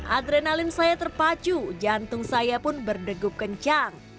adrenalin saya terpacu jantung saya pun berdegup kencang